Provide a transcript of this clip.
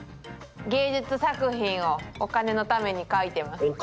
芸術作品をお金のために描いてます。